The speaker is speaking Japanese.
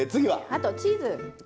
あとチーズ。